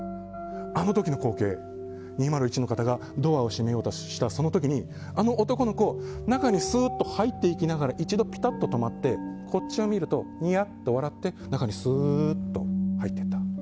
あの時の光景２０１の方がドアを閉めようとしたその時にあの男の子、中にスッと入っていきながらこっちをちらっと見るとにやっと笑って中にスーッと入っていった。